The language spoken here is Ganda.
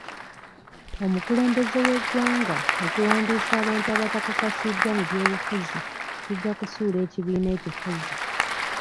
Omukulembeze w'eggwanga okuwandiisa abantu abatakakasiddwa mu by'obufuzi kijja kusuula ekibiina ekifuzi.